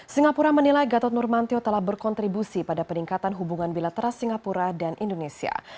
singapura menilai gatot nurmantio telah berkontribusi pada peningkatan hubungan bilateral singapura dan indonesia